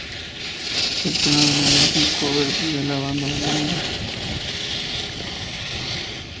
El tema "Veneno" es un cover de la banda La Negra.